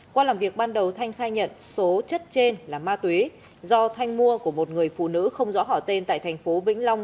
qua làm việc ban đầu thanh khai nhận số chất trên là ma túy do thanh mua của một người phụ nữ không rõ hỏi tên tại thành phố vĩnh long